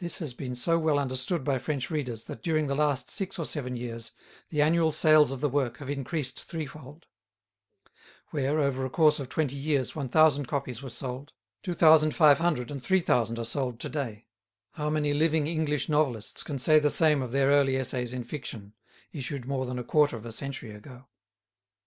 This has been so well understood by French readers that during the last six or seven years the annual sales of the work have increased threefold. Where, over a course of twenty years, 1,000 copies were sold, 2,500 and 3,000 are sold to day. How many living English novelists can say the same of their early essays in fiction, issued more than a quarter of a century ago?